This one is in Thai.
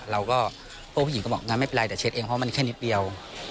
พวกผู้หญิงก็บอกไม่เป็นไรแต่เช็ดเองเพราะมันแค่นิดเดียว